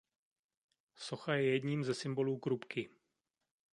Socha je jedním ze symbolů Krupky.